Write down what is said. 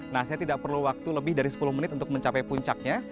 nah saya tidak perlu waktu lebih dari sepuluh menit untuk mencapai puncaknya